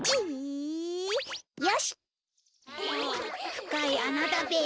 ふかいあなだべ。